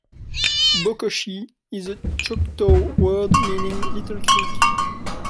"Bokoshe" is a Choctaw word meaning "little creek.